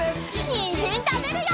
にんじんたべるよ！